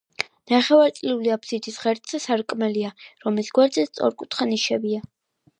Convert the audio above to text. ნახევარწრიული აფსიდის ღერძზე სარკმელია, რომლის გვერდებზე სწორკუთხა ნიშებია.